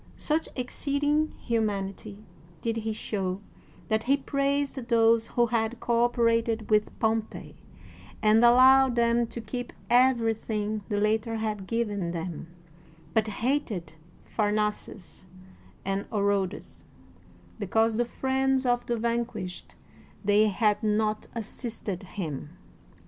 Such exceeding humanity did he show, that he praised those who had cooperated with Pompey, and allowed them to keep everything the latter had given them, but hated Phamaces* and Orodes' because, the friends of the van quished, they had not assisted him.